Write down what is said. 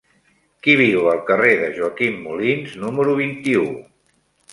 Qui viu al carrer de Joaquim Molins número vint-i-u?